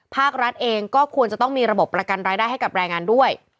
ภาครัฐเองก็ควรจะต้องมีระบบประกันรายได้ให้กับแรงงานด้วย